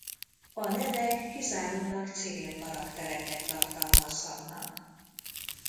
A nevek kizárólag cirill karaktereket tartalmazhatnak.